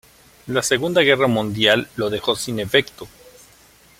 La Segunda Guerra Mundial lo dejó sin efecto.